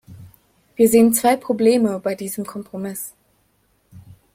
Wir sehen zwei Probleme bei diesem Kompromiss.